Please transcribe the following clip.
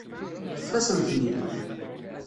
Ṭṭfet-asen-ten-id.